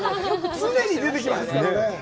常に出てきますからね。